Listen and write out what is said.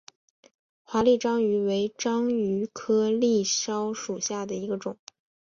华丽章鱼为章鱼科丽蛸属下的一个种。